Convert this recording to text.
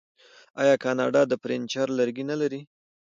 آیا کاناډا د فرنیچر لرګي نلري؟